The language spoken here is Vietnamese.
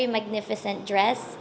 cái gì cũng là hữu ích